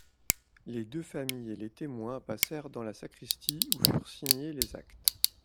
Les deux familles et les témoins passèrent dans la sacristie, où furent signés les actes.